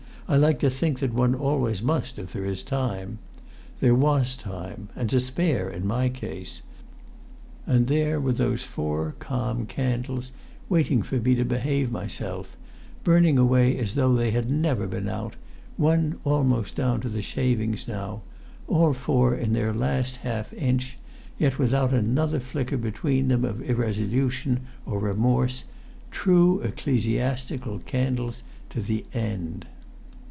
I like to think that one always must if there is time. There was time, and to spare, in my case. And there were those four calm candles waiting for me to behave myself, burning away as though they had never been out, one almost down to the shavings now, all four in their last half inch, yet without another flicker between them of irresolution or remorse, true ecclesiastical candles to the end!